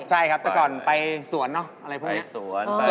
ใช่ครับแต่ก่อนไปสวนนะอะไรพวกนี้